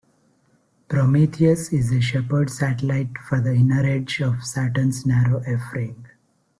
Prometheus is a shepherd satellite for the inner edge of Saturn's narrow F Ring.